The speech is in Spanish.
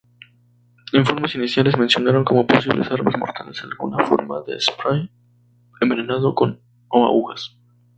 Informes iniciales mencionaron como posibles armas mortales alguna forma de spray envenenado o agujas.